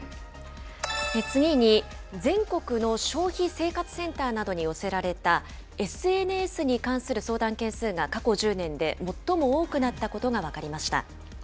次に、全国の消費生活センターなどに寄せられた、ＳＮＳに関する相談件数が、過去１０年で最も多くなったことが分かりました。